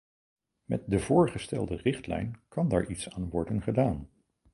Met de voorgestelde richtlijn kan daar iets aan worden gedaan.